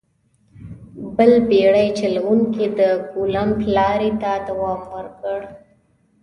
بل بېړۍ چلوونکي د کولمب لارې ته دوام ورکړ.